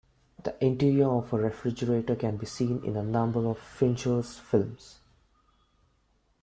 The interior of a refrigerator can be seen in a number of Fincher's films.